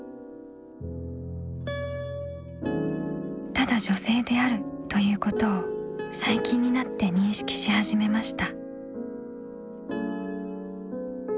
「『ただ女性である』ということを最近になって認識しはじめました」。